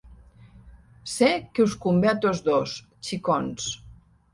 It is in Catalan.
Sé què us convé a tots dos, xicons.